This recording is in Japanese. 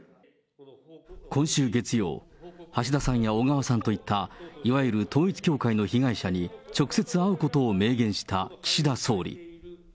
今週月曜、橋田さんや小川さんといった、いわゆる統一教会の被害者に、直接会うことを明言した岸田総理。